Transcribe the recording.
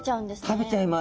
食べちゃいます。